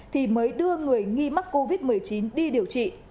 thì mới đưa người nghi mắc covid một mươi chín đi điều trị